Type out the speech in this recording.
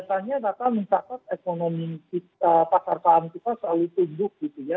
biasanya data mencatat ekonomi pasar paham kita selalu tumbuh gitu ya